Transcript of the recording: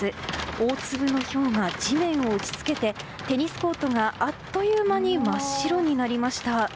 大粒のひょうが地面を打ち付けてテニスコートがあっという間に真っ白になりました。